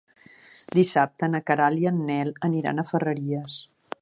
Dissabte na Queralt i en Nel aniran a Ferreries.